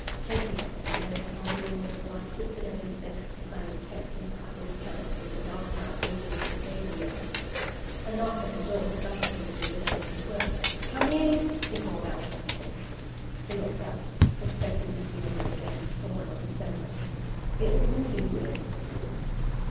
Chafing at the delay, Hardyman was obliged to sit at his desk, signing checks and passing accounts, with the dogcart waiting in the stable yard. A knock at the door startled him in the middle of his work. "Come in," he called out sharply. He looked up, expecting to see one of the guests or one of the servants. It was Moody who entered the room.